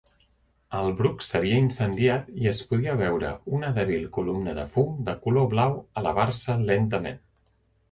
El bruc s'havia incendiat i es podia veure una dèbil columna de fum de color blau elevar-se lentament.